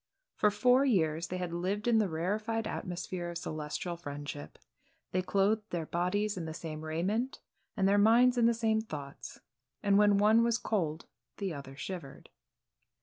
For four years they had lived in the rarified atmosphere of celestial friendship. They clothed their bodies in the same raiment, and their minds in the same thoughts, and when one was cold the other shivered.